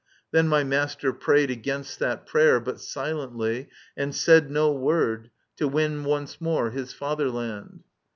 Then my master prayed Against that prayer, but silently, and said No word, to win once more his fatherland.